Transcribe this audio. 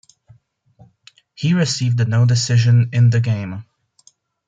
He received a no-decision in the game.